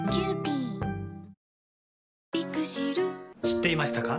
知っていましたか？